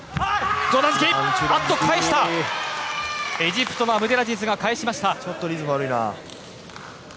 エジプトのアブデラジズが返しました。